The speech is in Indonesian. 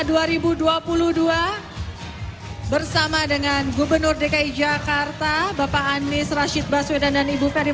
hai bersama dengan gubernur dki jakarta bapak anies rashid baswedan dan ibu ferry